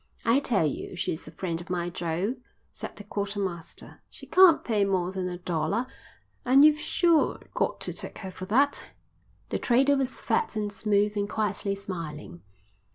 "I tell you she's a friend of mine, Jo," said the quartermaster. "She can't pay more than a dollar, and you've sure got to take her for that." The trader was fat and smooth and quietly smiling.